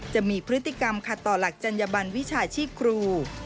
จะมีพฤติกรรมขัดต่อหลักจัญญบันวิชาชีพครู